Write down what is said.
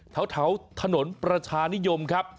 แถวถนนประชานิยมครับ